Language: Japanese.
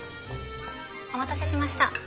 お待たせしました。